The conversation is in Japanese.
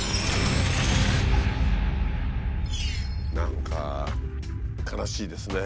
何か悲しいですね。